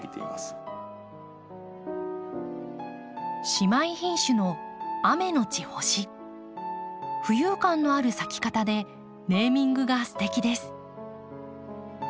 姉妹品種の浮遊感のある咲き方でネーミングがすてきです。